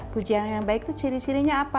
pujian yang baik itu ciri cirinya apa